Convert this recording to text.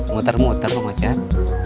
muter muter pak macat